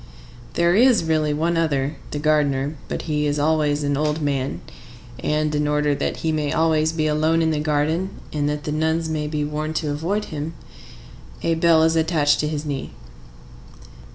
There is really one other,—the gardener. But he is always an old man, and, in order that he may always be alone in the garden, and that the nuns may be warned to avoid him, a bell is attached to his knee.